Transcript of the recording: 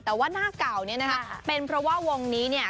แต่ว่าหน้าเก่าเนี่ยนะคะเป็นเพราะว่าวงนี้เนี่ย